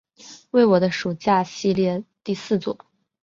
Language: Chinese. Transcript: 为我的暑假系列第四作。